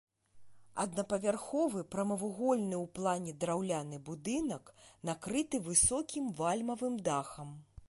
Аднапавярховы прамавугольны ў плане драўляны будынак накрыты высокім вальмавым дахам.